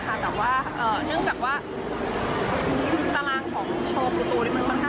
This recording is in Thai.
ก็จริงส่วนมากค่อนข้างเติมจ้าวเดิมนะ